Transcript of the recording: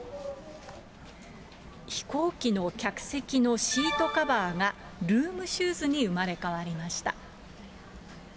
飛行機の客席のシートカバーが、ルームシューズに生まれ変わりました。